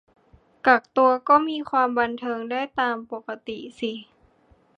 กักตัวก็มีความบันเทิงได้ตามปกติสิ